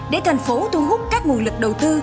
để thành phố thu hút các nguồn lực đầu tư